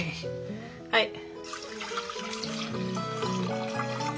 はい。